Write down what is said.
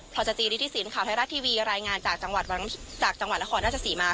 พอสจีริธิสินข่าวไทยรัฐทีวีรายงานจากจังหวัดนครราชศรีมา